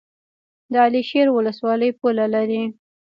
د علي شیر ولسوالۍ پوله لري